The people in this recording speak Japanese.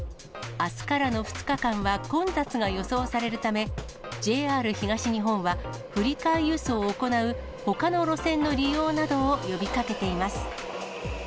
あすからの２日間は混雑が予想されるため、ＪＲ東日本は振り替え輸送を行うほかの路線の利用などを呼びかけています。